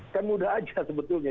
kan mudah aja sebetulnya